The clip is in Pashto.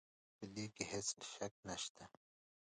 په دې کې هيڅ شک نشته